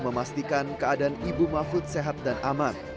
memastikan keadaan ibu mahfud sehat dan aman